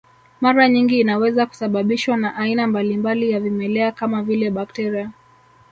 Mara nyingi inaweza kusababishwa na aina mbalimbali ya vimelea kama vile bakteria